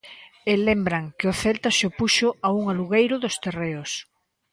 E lembran que o Celta se opuxo a un alugueiro dos terreos.